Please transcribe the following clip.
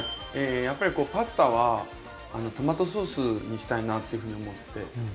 やっぱりパスタはトマトソースにしたいなというふうに思って。